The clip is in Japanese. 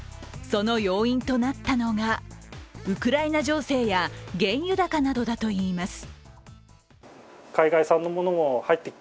その要因となったのが、ウクライナ情勢や原油高などだといいます。